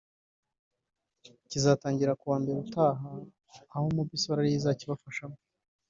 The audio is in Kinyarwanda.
kizatangira ku wa Mbere utaha aho Mobisol ariyo izakibafashamo